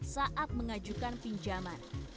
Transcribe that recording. saat mengajukan pinjaman